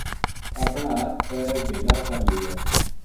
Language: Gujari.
اپنا ہتھ پیر ڈھیلا کر لیا